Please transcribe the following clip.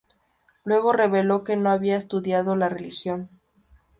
Luego reveló que no había estudiado la religión.